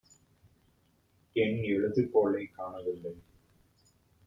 என் எழுதுகோலைக் காணவில்லை.